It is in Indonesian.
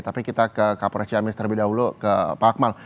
tapi kita ke kapolres ciamis terlebih dahulu ke pak akmal